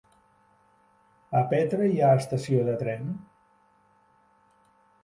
A Petra hi ha estació de tren?